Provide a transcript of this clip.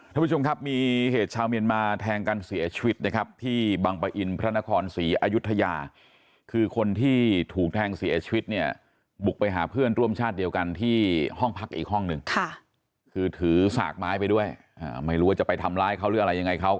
ท่านผู้ชมครับมีเหตุชาวเมียนมาแทงกันเสียชีวิตนะครับที่บังปะอินพระนครศรีอายุทยาคือคนที่ถูกแทงเสียชีวิตเนี่ยบุกไปหาเพื่อนร่วมชาติเดียวกันที่ห้องพักอีกห้องหนึ่งค่ะคือถือสากไม้ไปด้วยไม่รู้ว่าจะไปทำร้ายเขาหรืออะไรยังไงเขา